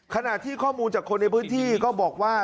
ขณะที่ข้อมูลจากคนในพื้นที่ก็บอกว่า